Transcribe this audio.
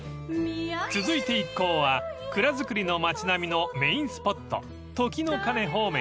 ［続いて一行は蔵造りの街並みのメインスポット時の鐘方面へ］